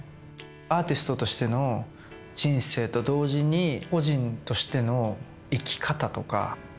アーティストとしての人生と同時に、個人としての生き方とか。